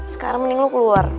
sekarang mending lo keluar